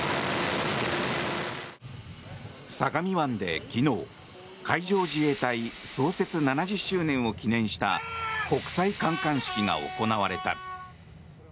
相模湾で昨日海上自衛隊創設７０周年を記念した国際観艦式が行われた。